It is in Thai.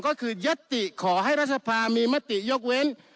นั่นคือยศติขอให้รัฐภาพมีมติยกเว้น